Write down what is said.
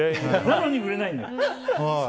なのに売れないのよ。